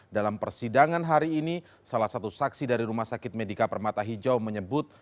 dalam persidangan hari ini salah satu saksi dari rumah sakit medika permata hijau menyebut